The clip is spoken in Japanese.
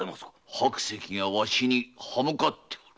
白石がわしに刃向かっておる。